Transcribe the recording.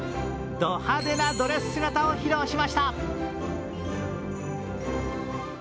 ド派手なドレス姿を披露しました。